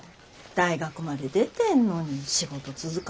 大学まで出てんのに仕事続かないし。